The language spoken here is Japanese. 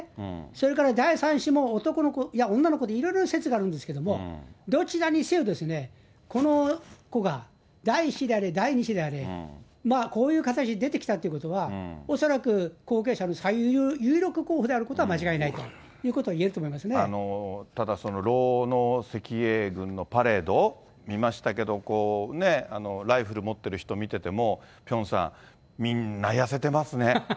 それから第３子も男の子、いや、女の子、いろいろな説があるんですけど、どちらにせよ、この子が第１子であれ、第２子であれ、まあ、こういう形で出てきたということは、恐らく後継者の最有力候補であることは間違いないということはいただ、その労農赤衛軍のパレード、見ましたけど、ライフル持ってる人見てても、ピョンさん、みんな痩せてますね。